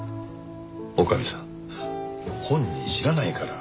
女将さん本人知らないから。